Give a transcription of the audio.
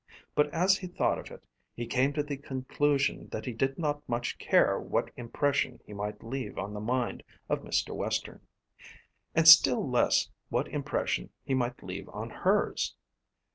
But as he thought of it, he came to the conclusion that he did not much care what impression he might leave on the mind of Mr. Western; and still less what impression he might leave on hers.